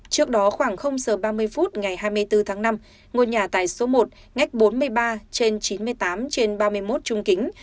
trước đó khoảng giờ ba mươi phút ngày hai mươi bốn tháng năm ngôi nhà tại số một ngách bốn mươi ba trên chín mươi tám trên ba mươi một trung kính